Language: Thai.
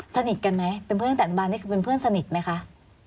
สนิทกันไหมเป็นเพื่อนตั้งแต่อนุบาลนี่คือเป็นเพื่อนสนิทไหมคะ